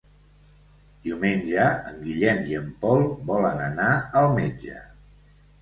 Diumenge en Guillem i en Pol volen anar al metge.